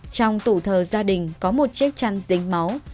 trong tủ thờ gia đình có một chiếc chăn tình máu